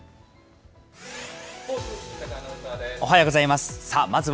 おはようございます。